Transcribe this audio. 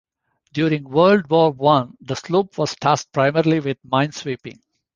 During World War One, the sloop was tasked primarily with minesweeping.